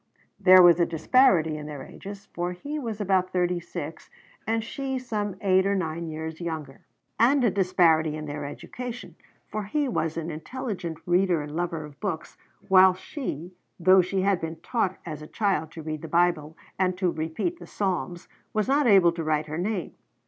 There was a disparity in their ages, for he was about thirty six and she some eight or nine years younger; and a disparity in their education, for he was an intelligent reader and lover of books, while she, though she had been taught as a child to read the Bible and to repeat the Psalms, was not able to write her name.